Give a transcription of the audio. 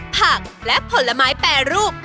ผักและผลไม้แปรรูป